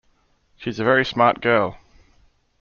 She's a very smart girl".